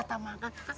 atau makan kak